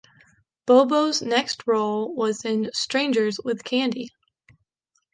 Bobo's next role was in "Strangers with Candy".